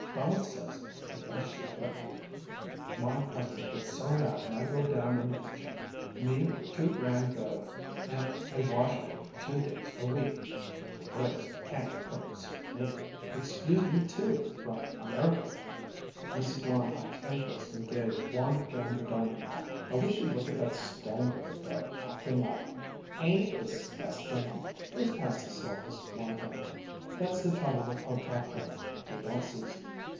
Bella says it's the best she ever ate. My husband gets so mad when I go down in the kitchen me with two grand girls and washerwoman two days a week! But the girls can't cook to suit me." "Excuse me, too, from American cookin'." Mrs. Blondheim's interest and gaze wandered down the dining hall. "I wish you'd look at that Sternberger girl actin' up! Ain't it disgusting?" "Please pass the salt, Mrs. Blondheim. That's the trouble with hotel cooking they don't season.